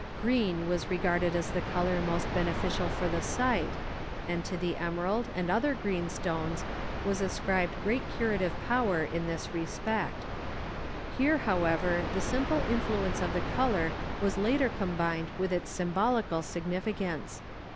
Green was regarded as the color most beneficial for the sight, and to the emerald and other green stones was ascribed great curative power in this respect. Here, however, the simple influence of the color was later combined with its symbolical significance.